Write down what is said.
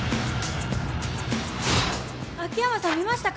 秋山さん見ましたか？